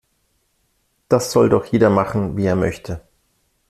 Das soll doch jeder machen, wie er möchte.